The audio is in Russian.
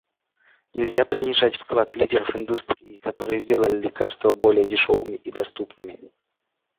Нельзя принижать вклад лидеров индустрии, которые сделали лекарства более дешевыми и доступными.